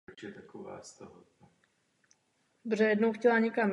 Byl by v této souvislosti užitečný například rizikový fond?